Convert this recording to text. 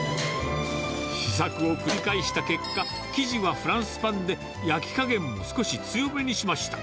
試作を繰り返した結果、生地はフランスパンで焼き加減も少し強めにしました。